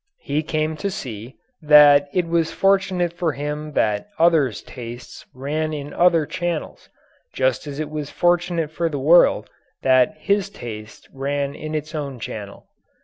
He came to see that it was fortunate for him that others' tastes ran in other channels, just as it was fortunate for the world that his taste ran in its own channel.